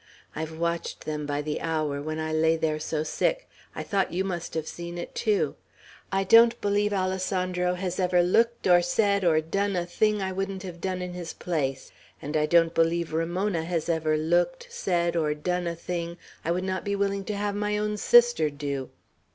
I've watched them by the hour, when I lay there so sick; I thought you must have seen it too. I don't believe Alessandro has ever looked or said or done a thing I wouldn't have done in his place; and I don't believe Ramona has ever looked, said, or done a thing I would not be willing to have my own sister do!"